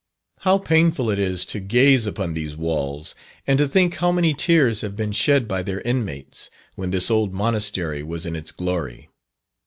How painful it is to gaze upon these walls, and to think how many tears have been shed by their inmates, when this old Monastery was in its glory.